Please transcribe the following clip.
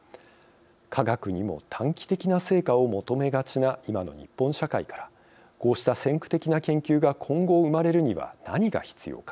科学にも短期的な成果を求めがちな今の日本社会からこうした先駆的な研究が今後、生まれるには何が必要か。